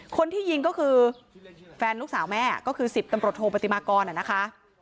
คนที่ยิงก็คือแฟนลูกสาวแม่ก็คือ๑๐ตำรวจโทปฏิมากรนะคะ